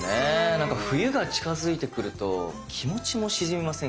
なんか冬が近づいてくると気持ちも沈みませんか？